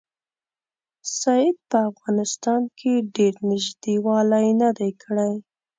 سید په افغانستان کې ډېر نیژدې والی نه دی کړی.